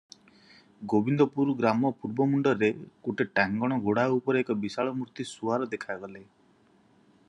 ଗୋବିନ୍ଦପୁର ଗ୍ରାମ ପୂର୍ବ ମୁଣ୍ତରେ ଗୋଟାଏ ଟାଙ୍ଗଣ ଘୋଡ଼ା ଉପରେ ଏକ ବିଶାଳମୂର୍ତ୍ତି ସୁଆର ଦେଖାଗଲେ ।